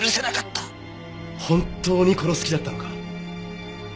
本当に殺す気だったのか？